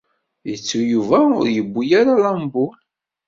Yettu Yuba ur d-yewwi ara lampul.